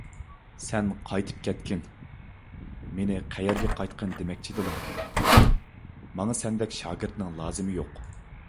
_ سەن قايتىپ كەتكىن! − مېنى قەيەرگە قايتقىن دېمەكچىدىلا؟ − ماڭا سەندەك شاگىرتنىڭ لازىمى يوق!